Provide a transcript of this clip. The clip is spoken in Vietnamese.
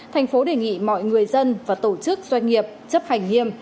thành phố đề nghị mọi người dân và tổ chức doanh nghiệp chấp hành nghiêm